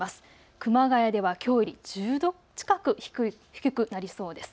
熊谷ではきょうより１０度近く低くなりそうです。